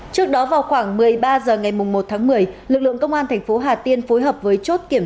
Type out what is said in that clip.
trước đó vào khoảng một mươi ba h ngày một tháng một mươi lực lượng công an thành phố hà tiên phối hợp với chốt kiểm